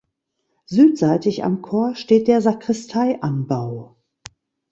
Südseitig am Chor steht der Sakristeianbau.